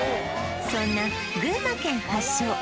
そんな群馬県発祥